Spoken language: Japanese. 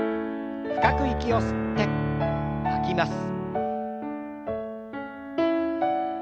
深く息を吸って吐きます。